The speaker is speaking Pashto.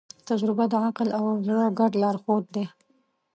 تجربه د عقل او زړه ګډ لارښود دی.